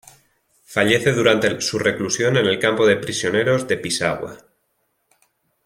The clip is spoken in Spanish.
Fallece durante su reclusión en el Campo de Prisioneros de Pisagua.